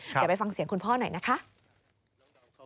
เดี๋ยวไปฟังเสียงคุณพ่อหน่อยนะคะ